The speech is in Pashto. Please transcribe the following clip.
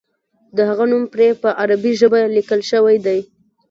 د هغه نوم پرې په عربي ژبه لیکل شوی دی.